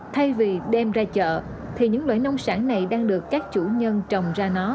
thay vì đem ra chợ thì những loại nông sản này đang được các chủ nhân trồng ra nó